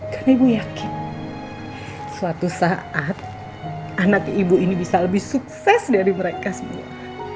karena ibu yakin suatu saat anak ibu ini bisa lebih sukses dari mereka semua